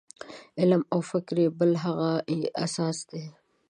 علم او فکر یې بل هغه اساس دی.